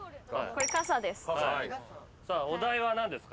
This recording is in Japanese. これ傘です。